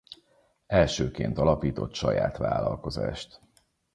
Elsőként alapított saját vállalkozást.